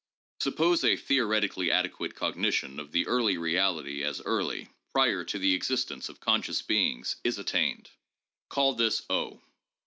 Suppose a theoretically adequate cognition of the early reality as early (prior to the existence of conscious beings) is attained: call this 0.